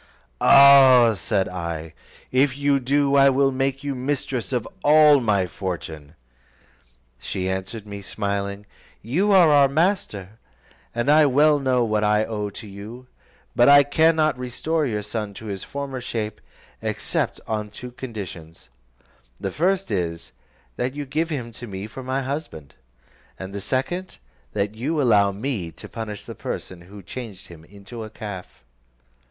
"Ah!" said I, "if you do, I will make you mistress of all my fortune." She answered me, smiling, "You are our master, and I well know what I owe to you; but I cannot restore your son to his former shape, except on two conditions: the first is, that you give him to me for my husband; and the second, that you allow me to punish the person who changed him into a calf."